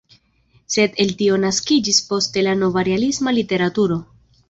Sed el tio naskiĝis poste la nova realisma literaturo.